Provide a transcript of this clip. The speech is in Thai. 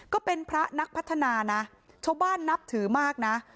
ก็เป็นพระนักพัฒนานะชาวบ้านนับถือมากนะ